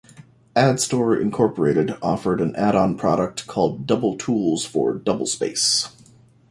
AddStor, Incorporated offered an add-on product called Double Tools for DoubleSpace.